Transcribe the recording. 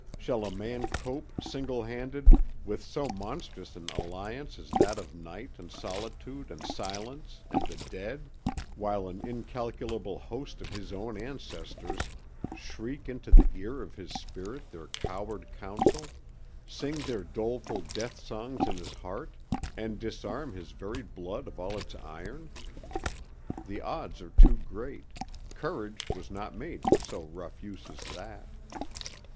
Shall a man cope, single handed, with so monstrous an alliance as that of night and solitude and silence and the dead,—while an incalculable host of his own ancestors shriek into the ear of his spirit their coward counsel, sing their doleful death songs in his heart, and disarm his very blood of all its iron? The odds are too great—courage was not made for so rough use as that.